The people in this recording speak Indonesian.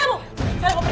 jualan sama aku dulu